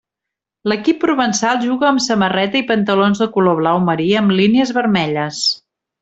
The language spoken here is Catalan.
L'equip provençal juga amb samarreta i pantalons de color blau marí amb línies vermelles.